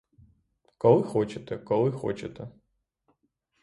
Коли хочете, коли хочете.